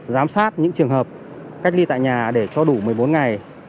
giám sát những trường hợp cách ly tại nhà để cho đủ một mươi bốn ngày